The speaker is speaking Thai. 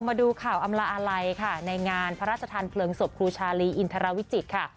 มาดูข่าวอำลาอาลัยค่ะในงานพระราชทานเพลิงศพครูชาลีอินทรวิจิตรค่ะ